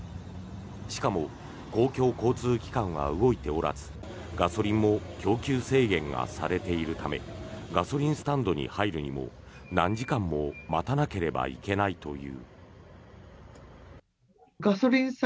しかも公共交通機関が動いておらずガソリンも供給制限がされているためガソリンスタンドに入るにも何時間も待たなければいけないという。